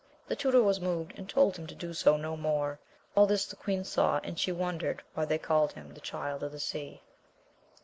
The tutor was moved, and told him to do so no more. All this the queen saw and she wondered why they called him the Child of the Sea.